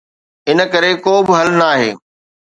ان ڪري ڪو به حل ناهي.